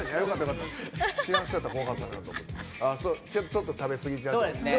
ちょっと食べ過ぎちゃった。